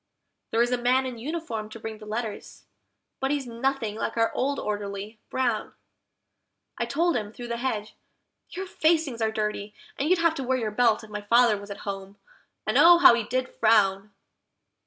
There is a man in uniform to bring the letters, but he's nothing like our old Orderly, Brown; I told him, through the hedge, "Your facings are dirty, and you'd have to wear your belt if my father was at home," and oh, how he did frown!